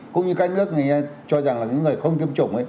cũng như các nước cho rằng là những người không tiêm chủng ấy